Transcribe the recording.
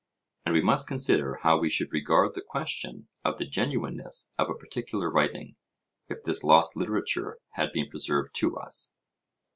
And we must consider how we should regard the question of the genuineness of a particular writing, if this lost literature had been preserved to us.